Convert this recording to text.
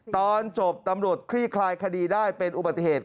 ตอนจบตำรวจคลี่คลายคดีได้เป็นอุบัติเหตุ